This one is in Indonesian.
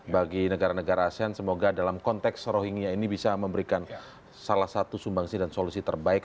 bagi negara negara asean semoga dalam konteks rohingya ini bisa memberikan salah satu sumbangsi dan solusi terbaik